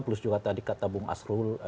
plus juga tadi kata bung asrul